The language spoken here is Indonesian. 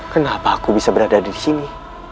kenapa aku bisa berada disini